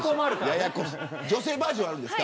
女性バージョンもあるんですか。